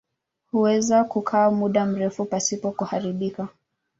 Huweza kukaa muda mrefu pasipo kuharibika.